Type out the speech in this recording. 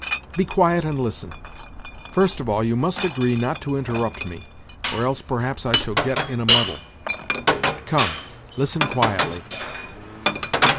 " Be quiet and listen. First of all you must agree not to interrupt me, or else, perhaps I shall get in a muddle ! Come, listen quietly.